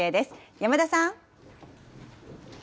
山田さん。